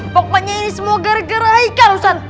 pokoknya ini semua gara gara haikal ustaz